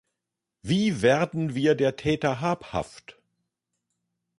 Wie werden wir der Täter habhaft?